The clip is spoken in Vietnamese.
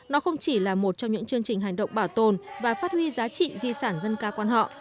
nó không chỉ là một trong những chương trình hành động bảo tồn và phát huy giá trị di sản dân ca quan họ